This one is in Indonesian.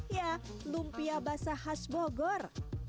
ya lumpia basah khas bogor